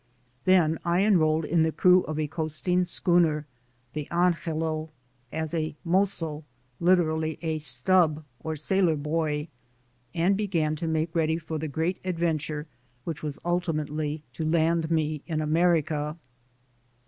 Then I enrolled in the crew of a coast ing schooner, the Angela, as a "mozzo" (literally, "a stub") or sailor boy, and began to make ready for the great adventure which was ultimately to land me in America.